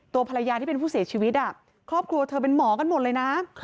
ตัวภรรยาที่เป็นผู้เสียชีวิตครอบครัวเธอเป็นหมอกันหมดเลยนะ